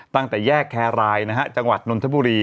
ตั้งแต่แยกแครรายนะฮะจังหวัดนนทบุรี